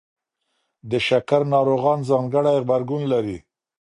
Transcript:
د شکر ناروغان ځانګړی غبرګون لري.